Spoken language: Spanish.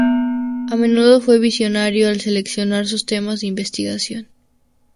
A menudo fue visionario al seleccionar sus temas de investigación.